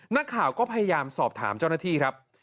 นักข่าวก็พยายามสอบถามเจ้าหน้าที่ครับ